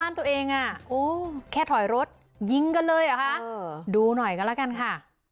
บ้านตัวเองแค่ถอยรถยิงกันเลยดูหน่อยกันแล้วกันค่ะ